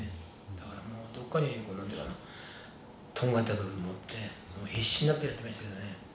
だからどっかに何ていうかなとんがった部分を持ってもう必死になってやってましたけどね。